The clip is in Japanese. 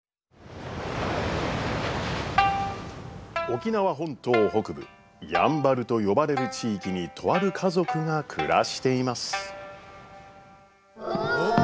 沖縄本島北部やんばると呼ばれる地域にとある家族が暮らしています。